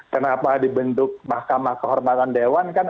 kenapa dibentuk mahkamah kehormatan dewan kan